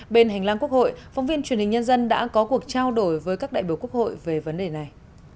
bên hành lang quốc hội phóng viên truyền hình nhân dân đã có cuộc trao đổi với các đại biểu quốc hội về vấn đề này